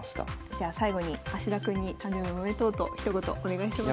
じゃあ最後に田君に誕生日おめでとうとひと言お願いします。